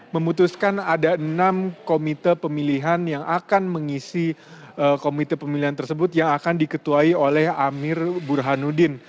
memutuskan ada enam komite pemilihan yang akan mengisi komite pemilihan tersebut yang akan diketuai oleh amir burhanuddin